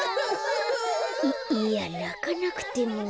いやなかなくても。